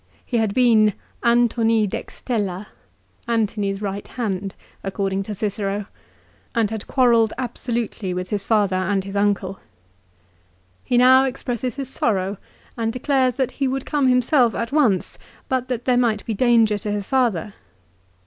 He had been "Antoni dextella," Antony's right hand, according to Cicero, and had 1 AdAtt. xiv. 21. 224 LIFE OF CICERO. quarrelled absolutely with his father and his uncle. He now expresses his sorrow, and declares that he would come him self at once, but that there might be danger to his father.